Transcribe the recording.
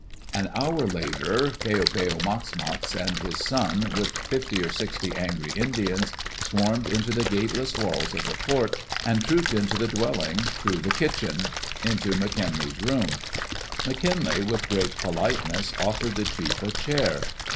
An hour later, Peo peo mox mox and his son, with fifty or sixty angry Indians, swarmed into the gateless walls of the fort, and trooped into the dwelling, through the kitchen, into McKinlay's room. McKinlay, with great politeness, offered the chief a chair.